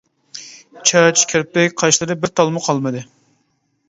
چاچ، كىرپىك، قاشلىرى بىر تالمۇ قالمىدى.